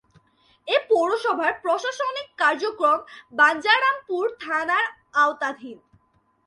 এ পৌরসভার প্রশাসনিক কার্যক্রম বাঞ্ছারামপুর থানার আওতাধীন।